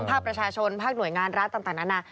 ทั้งภาพประชาชนภาคหน่วยงานรัฐต่างนั้นนะ